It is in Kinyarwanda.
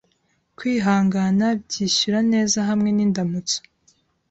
Kwihangana byishyura neza Hamwe nindamutso